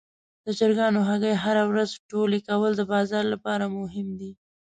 د چرګانو هګۍ هره ورځ ټولې کول د بازار لپاره مهم دي.